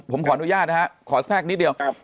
ผมขออนุญาตนะครับขอแทรกนิดเดียวครับ